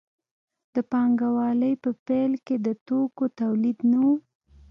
د پانګوالۍ په پیل کې د توکو تولید نه و.